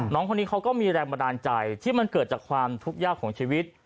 น้องคนนี้เขาก็มีแรงบันดาลใจที่มันเกิดจากความทุกข์ยากของชีวิต